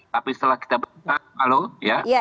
tapi setelah kita halo ya